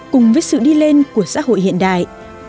cùng với sự đi lên của xã hội hiện đại